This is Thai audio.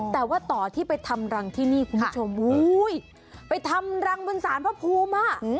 แต่ว่าต่อที่ไปทำรังที่นี่คุณผู้ชมไปทำรังบนสารพระภูมิอ่ะ